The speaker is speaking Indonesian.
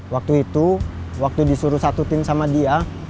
waktu itu waktu disuruh satu tim sama dia